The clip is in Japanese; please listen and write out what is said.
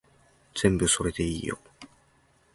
全部それでいいよ